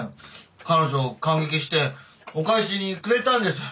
彼女感激してお返しにくれたんです。